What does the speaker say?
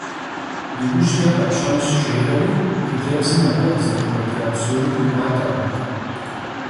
Yiujç'e khepş'enş, – jjê'eri xhıcebzım abı khızerêk'ueç'a psori xui'uaterkhım.